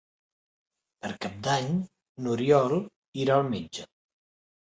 Per Cap d'Any n'Oriol irà al metge.